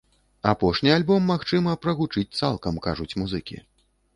Апошні альбом, магчыма, прагучыць цалкам, кажуць музыкі.